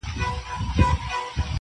• عزرائیل مي دی ملګری لکه سیوری -